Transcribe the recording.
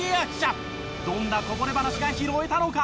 どんなこぼれ話が拾えたのか？